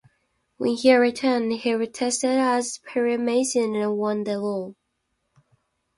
When he returned, he tested as Perry Mason and won the role.